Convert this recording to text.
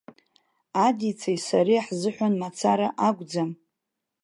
Адицеи сареи ҳзыҳәан мацара акәӡам.